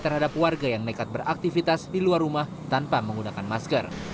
terhadap warga yang nekat beraktivitas di luar rumah tanpa menggunakan masker